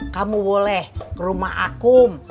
kamu boleh ke rumah aku